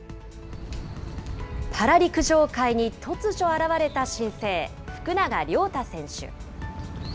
パラ陸上界に突如現れた新星、福永凌太選手。